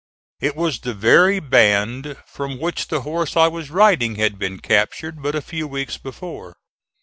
It was the very band from which the horse I was riding had been captured but a few weeks before.